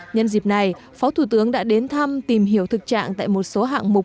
nhân dịp này phó thủ tướng đã đến thăm tìm hiểu thực trạng tại một số hạng mục